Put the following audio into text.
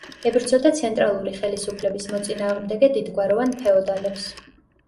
ებრძოდა ცენტრალური ხელისუფლების მოწინააღმდეგე დიდგვაროვან ფეოდალებს.